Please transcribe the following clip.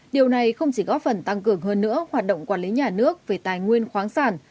điều này không chỉ góp phần tăng cường hơn nữa hoạt động quản lý nhà nước về tài nguyên khoáng sản